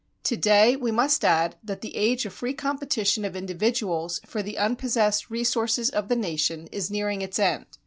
To day we must add that the age of free competition of individuals for the unpossessed resources of the nation is nearing its end.